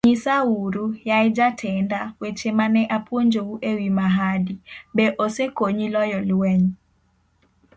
Nyisauru, yaye jatenda, weche ma ne apuonjou e wi mahadi, be osekonyi loyo lweny?